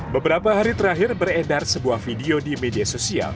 beberapa hari terakhir beredar sebuah video di media sosial